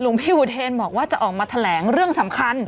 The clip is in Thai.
พี่อุเทนบอกว่าจะออกมาแถลงเรื่องสำคัญ